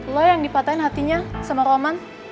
lo yang dipatahin hatinya sama roman